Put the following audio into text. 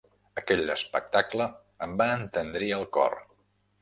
Aquell espectacle em va entendrir el cor.